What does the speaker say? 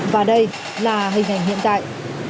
và đây là hình ảnh hiện tại